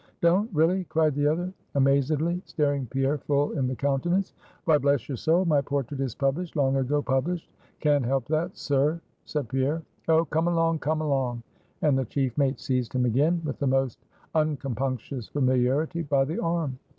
"Don't? Really?" cried the other, amazedly staring Pierre full in the countenance; "why bless your soul, my portrait is published long ago published!" "Can't help that, sir" said Pierre. "Oh! come along, come along," and the chief mate seized him again with the most uncompunctious familiarity by the arm.